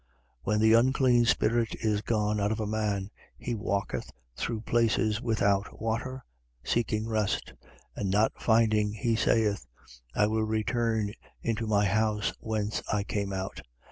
11:24. When the unclean spirit is gone out of a man, he walketh through places without water, seeking rest: and not finding, he saith: I will return into my house whence I came out.